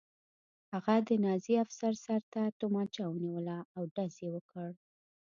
هغه د نازي افسر سر ته توپانچه ونیوله او ډز یې وکړ